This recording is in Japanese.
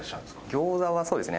ギョーザはそうですね